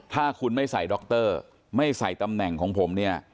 ถ้าคุณไม่ใส่ดรไม่ใส่ตำแหน่งของผมเนี่ย